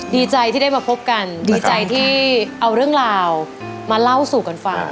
ดีใจที่ได้มาพบกันดีใจที่เอาเรื่องราวมาเล่าสู่กันฟัง